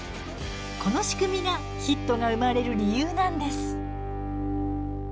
この仕組みがヒットが生まれる理由なんです。